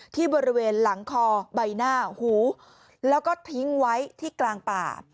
ที่บริเวณหลังคอใบหน้าหูแล้วก็ทิ้งไว้ที่กลางป่า